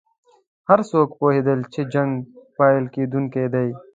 هر څوک پوهېدل چې جنګ پیل کېدونکی دی.